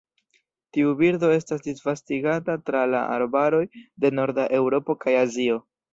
Tiu birdo estas disvastigata tra la arbaroj de norda Eŭropo kaj Azio.